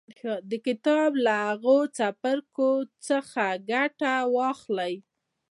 د کتاب له هغو څپرکو څخه ګټه واخلئ